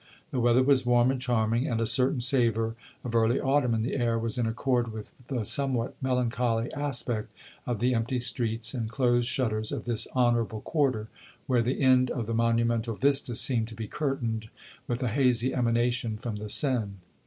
The weather was warm and charming, and a certain savour of early autumn in the air was in accord with the somewhat melancholy aspect of the empty streets and closed shutters of this honorable quarter, where the end of the monumental vistas seemed to be curtained with a hazy emanation from the Seine.